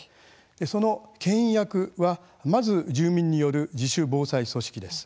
その、けん引役はまず住民による自主防災組織です。